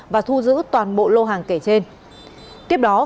và thu giữ toàn bộ lô hàng kể trên